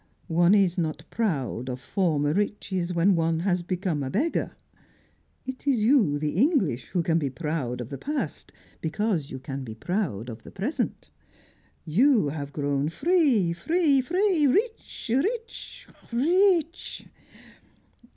"One is not proud of former riches when one has become a beggar. It is you, the English, who can be proud of the past, because you can be proud of the present. You have grown free, free, free! Rich, rich, rich, ah!"